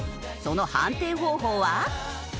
その判定方法は。